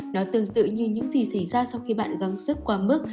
nó tương tự như những gì xảy ra sau khi bạn găng sức qua mức